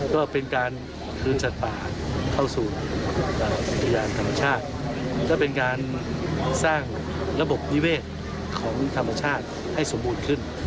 ก็เป็นการคืนสัตว์ป่าเข้าสู่อุทยานแห่งชาติก็เป็นการสร้างระบบนิเวศของธรรมชาติให้สมบูรณ์ขึ้น